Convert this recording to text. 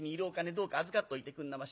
どうか預かっといてくんなまし。